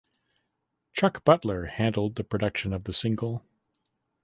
Chuck Butler handled the production of the single.